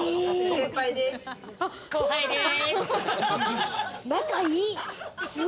先輩です。